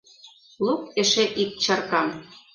Лук эше ик чаркам.